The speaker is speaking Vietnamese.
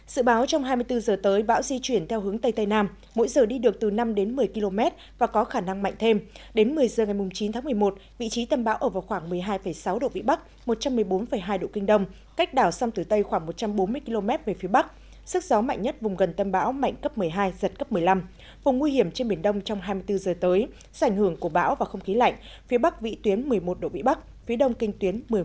sự báo trong hai mươi bốn giờ tới bão di chuyển theo hướng tây tây nam mỗi giờ đi được từ năm đến một mươi km và có khả năng mạnh thêm đến một mươi giờ ngày chín tháng một mươi một vị trí tâm bão ở vào khoảng một mươi hai sáu độ vị bắc một trăm một mươi bốn hai độ kinh đông cách đảo song tử tây khoảng một trăm bốn mươi km về phía bắc sức gió mạnh nhất vùng gần tâm bão mạnh cấp một mươi hai giật cấp một mươi năm vùng nguy hiểm trên biển đông trong hai mươi bốn giờ tới sảnh hưởng của bão và không khí lạnh phía bắc vị tuyến một mươi một độ vị bắc phía đông kinh tuyến một trăm một mươi hai độ kinh đông